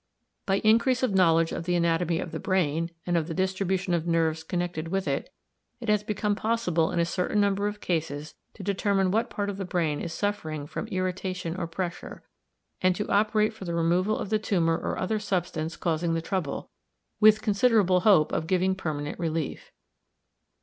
By increase of knowledge of the anatomy of the brain, and of the distribution of nerves connected with it, it has become possible in a certain number of cases to determine what part of the brain is suffering from irritation or pressure, and to operate for the removal of the tumour or other substance causing the trouble, with considerable hope of giving permanent relief.